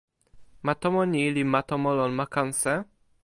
ma tomo ni li ma tomo lon ma Kanse?